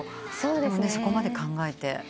でもそこまで考えて。